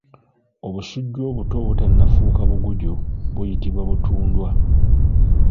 Obusujju obuto obutannafuuka buguju buyitibwa butundwa.